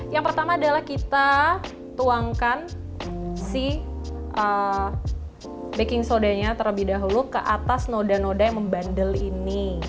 yang pertama adalah kita tuangkan si baking sodanya terlebih dahulu ke atas noda noda yang membandel ini